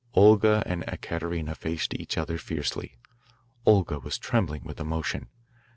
Olga and Ekaterina faced each other fiercely. Olga was trembling with emotion.